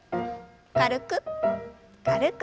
軽く軽く。